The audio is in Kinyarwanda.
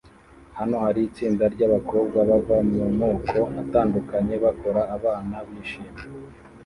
Hano hari itsinda ryabakobwa bava mumoko atandukanye bakora abana bishimye